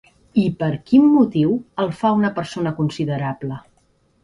I per quin motiu el fa una persona considerable?